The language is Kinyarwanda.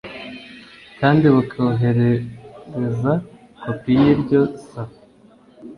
kandi bukazoherereza kopi y iryo saba